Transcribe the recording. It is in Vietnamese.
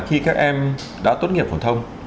khi các em đã tốt nghiệp phổ thông